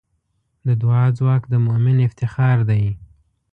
د دعا ځواک د مؤمن افتخار دی.